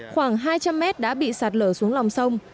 khoảng hai trăm linh mét đã bị sạt lở xuống lòng sông